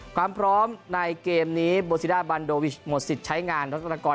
ความพร้อมในเกมนี้โบซิด้าบันโดวิชหมดสิทธิ์ใช้งานรัฐนากร